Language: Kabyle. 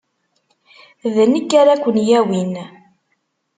D nekk ara ken-yawin.